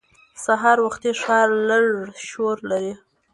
سهار وختي ښار لږ شور لري